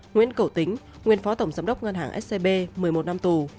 nguyễn cầu tính nguyên phó tổng giám đốc ngân hàng scb một mươi một năm tù